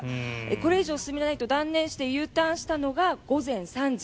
これ以上進めないと断念してＵターンしたのが午前３時。